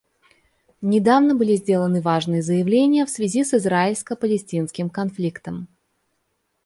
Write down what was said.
Недавно были сделаны важные заявления в связи с израильско-палестинским конфликтом.